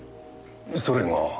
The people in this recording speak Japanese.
それが？